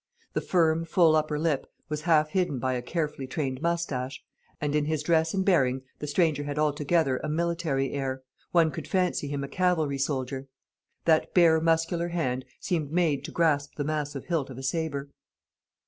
The firm, full upper lip was half hidden by a carefully trained moustache; and in his dress and bearing the stranger had altogether a military air: one could fancy him a cavalry soldier. That bare muscular hand seemed made to grasp the massive hilt of a sabre.